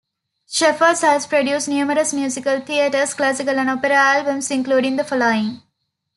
Shepard has produced numerous musical theatre, classical and opera albums, including the following.